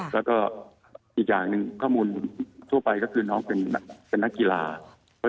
แล้วก็อีกอย่างหนึ่งข้อมูลทั่วไปก็คือน้องเป็นนักกีฬา